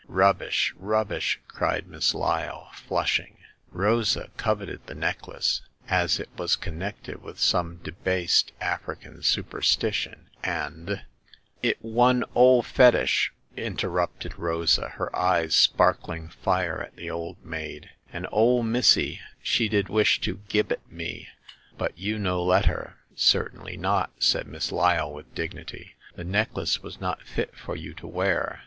Rubbish, rubbish !" cried Miss Lyle, flush ing. Rosa coveted the necklace, as it was connected with some debased African supersti tion, and "It one ole fetish !" interrupted Rosa, her eyes sparkling fire at the old maid, and ole missy she did wish to gib it me, but you no let her." Certainly not !"' said Miss Lyle, with dignity. "The necklace was not fit for you to wear.